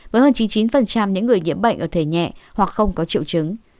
với hơn chín mươi chín những người nhiễm bệnh ở thể nhẹ hoặc không có triệu chứng